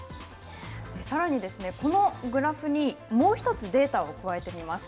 さらにこのグラフにもうひとつデータを加えてみます。